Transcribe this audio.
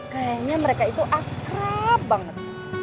kayaknya mereka itu akrab banget